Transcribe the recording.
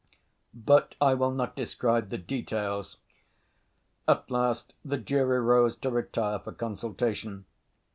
But I will not describe the details. At last the jury rose to retire for consultation.